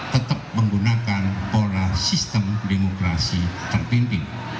tetap menggunakan pola sistem demokrasi terpimpin